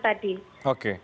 di antaranya juga umkm